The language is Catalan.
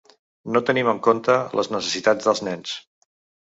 No tenim en compte les necessitats dels nens.